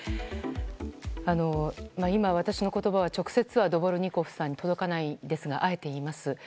今、私の言葉は直接はドボルニコフさんには届かないんですがあえて言います。